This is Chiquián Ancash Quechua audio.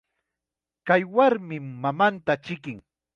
Kay warmim nananta chikin.